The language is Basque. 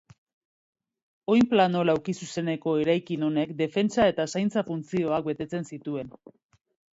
Oinplano laukizuzeneko eraikin honek defentsa eta zaintza funtzioak betetzen zituen.